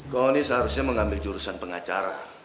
konon ini seharusnya mengambil jurusan pengacara